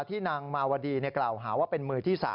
ที่นางมาวดีกล่าวหาว่าเป็นมือที่๓